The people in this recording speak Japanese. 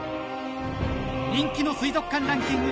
人気の水族館ランキング